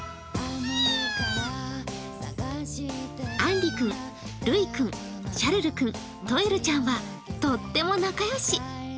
アンリ君、ルイ君、シャルル君、トイルちゃんは、とっても仲良し。